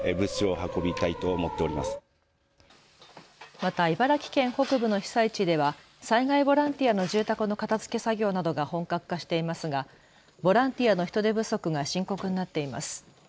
また茨城県北部の被災地では災害ボランティアの住宅の片づけ作業などが本格化していますがボランティアの人手不足が深刻になっています。